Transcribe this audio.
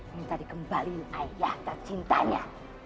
minta dikembalikan ayah dan cintanya